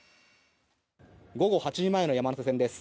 午後８時前の山手線です。